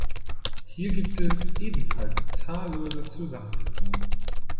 Hier gibt es ebenfalls zahllose Zusammensetzungen.